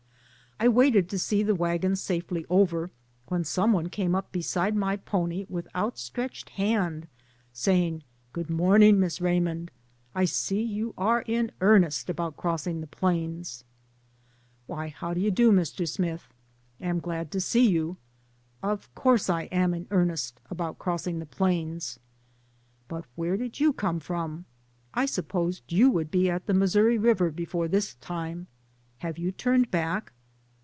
I waited to see the wagons safely over, when some one came beside my pony with outstretched hand saying, "Good morn ing, Miss Raymond, I see you are in earnest about crossing the plains." "Why, how do you do, Mr. Smith ? Am 12 DAYS ON THE ROAD. glad to see you, of course I am in earnest about crossing the plains, but where did you come from? I supposed you would be at the Missouri River before this time, have you turned back?"